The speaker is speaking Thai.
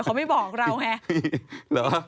เขาไม่บอกเราไง